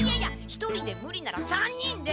一人でムリなら３人で！